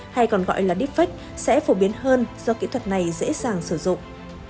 hay còn gọi là deepfake sẽ phổ biến hơn do kỹ thuật này dễ dàng sử dụng